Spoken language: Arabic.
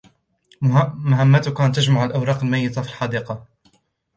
مهمتك أن تجمع الأوراق الميتة في الحديقة.